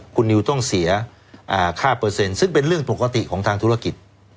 คุณนิวต้องเสียค่าเปอร์เซ็นต์ซึ่งเป็นเรื่องปกติของทางธุรกิจ